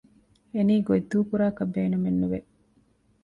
އެނީ ގޮތްދޫކުރާކަށް ބޭނުމެއް ނުވެ